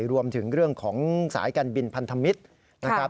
รวมถึงเรื่องของสายการบินพันธมิตรนะครับ